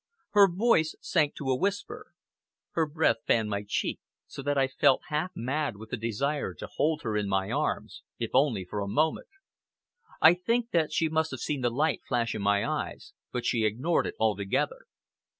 Her voice sank to a whisper. Her breath fanned my cheek, so that I felt half mad with the desire to hold her in my arms, if only for a moment. I think that she must have seen the light flash in my eyes, but she ignored it altogether.